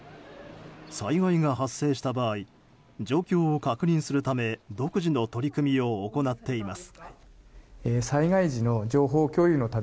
災害が発生した場合状況を確認するため独自の取り組みを行っています。